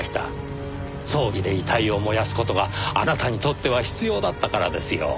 葬儀で遺体を燃やす事があなたにとっては必要だったからですよ。